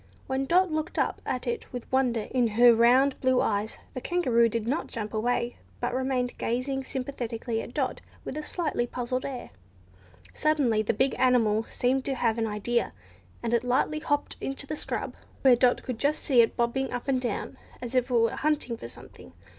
When Dot looked up at it with wonder in her round blue eyes, the Kangaroo did not jump away, but remained gazing sympathetically at Dot with a slightly puzzled air. Suddenly the big animal seemed to have an idea, and it lightly hopped off into the scrub, where Dot could just see it bobbing up and down as if it were hunting for something.